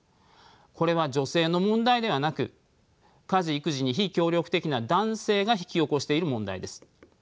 これは女性の問題ではなく家事育児に非協力的な男性が引き起こしている問題です。